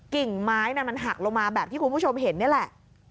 กิ่งไม้มันหักลงมาแบบที่คุณผู้ชมเห็นนี่แหละ